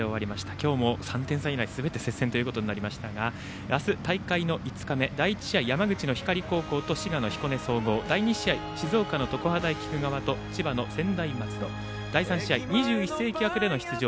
今日も３点差以内すべて接戦となりましたが明日大会の５日目山口の光高校と滋賀の彦根総合第２試合、静岡の常葉菊川と千葉の専大松戸第３試合、２１世紀枠での出場